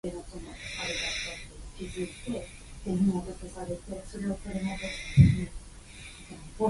Empty space today can be found mostly in the western part, on Poikilo mountain.